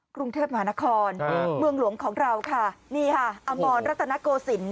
กรุงเทพมหานครเมืองหลวงของเราค่ะนี่ค่ะอมรรัตนโกศิลป